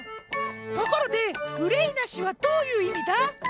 ところで「うれいなし」はどういういみだ？